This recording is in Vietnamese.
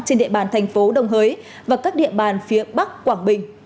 trên địa bàn thành phố đồng hới và các địa bàn phía bắc quảng bình